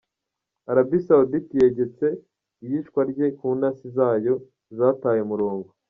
Arabie Saoudite yegetse iyicwa rye ku ntasi zayo "zataye umurongo".